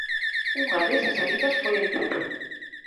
Unha desas saídas foi a Italia.